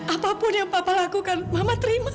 apapun yang bapak lakukan mama terima